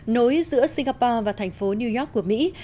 nối giữa singapore và thành phố new york của mỹ